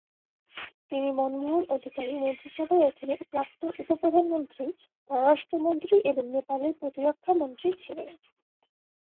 তিনি মনমোহন অধিকারী মন্ত্রিসভার অধীনে প্রাক্তন উপ প্রধানমন্ত্রী, পররাষ্ট্রমন্ত্রী এবং নেপালের প্রতিরক্ষা মন্ত্রী ছিলেন।